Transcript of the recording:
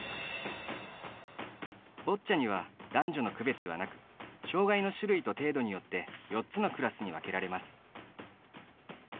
ボッチャには男女の区別はなく障がいの種類と程度によって４つのクラスに分けられます。